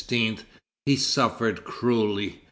he suffered cruelly.